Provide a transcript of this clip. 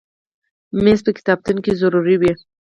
مېز په کتابتون کې ضرور وي.